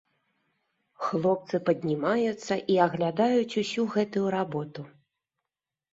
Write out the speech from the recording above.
Хлопцы паднімаюцца і аглядаюць усю гэтую работу.